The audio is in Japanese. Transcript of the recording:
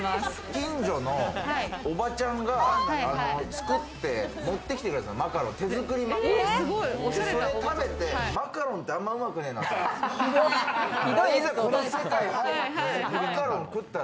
近所のおばちゃんが作って持ってきてくれた手づくりマカロン、それ食べてマカロンって、あんまうまくねえなって。